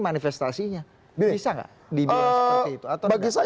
manifestasinya bisa gak